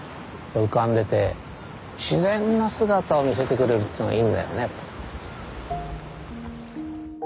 浮かんでて自然な姿を見せてくれるっていうのがいいんだよね。